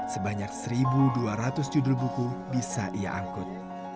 sebanyak satu dua ratus judul buku bisa ia angkut